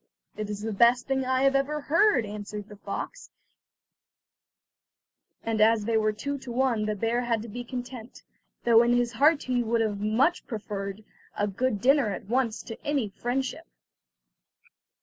"It is the best thing I have ever heard," answered the fox; and as they were two to one the bear had to be content, though in his heart he would much have preferred a good dinner at once to any friendship.